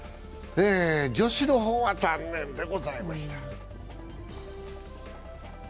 女子の方は残念でございました。